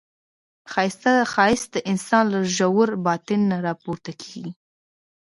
ښایست د انسان له ژور باطن نه راپورته کېږي